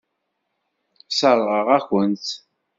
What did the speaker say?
Sseṛɣeɣ-akent-t.